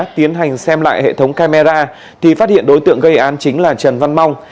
tiến hành xem lại hệ thống camera thì phát hiện đối tượng gây án chính là trần văn mong